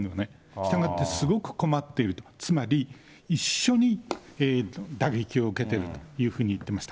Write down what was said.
したがってすごく困っていると、つまり、一緒に打撃を受けてるというふうに言ってました。